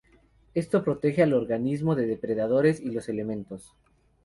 Esto protege al organismo de los depredadores y los elementos.